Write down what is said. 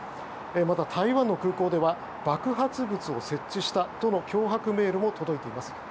また台湾の空港では爆発物を設置したとの脅迫メールも届いています。